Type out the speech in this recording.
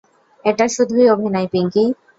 এটা শুধুই অভিনয়, পিংকী।